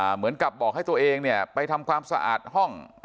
เหมือนกับบอกให้ตัวเองเนี่ยไปทำความสะอาดห้อง